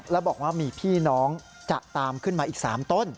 แล้วบอกว่ามีพี่น้องจะตามขึ้นมาอีก๓ต้น